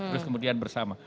terus kemudian bersama